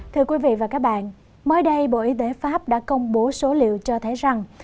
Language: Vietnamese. thưa quý vị và các bạn mới đây bộ y tế pháp đã công bố số liệu cho thấy rằng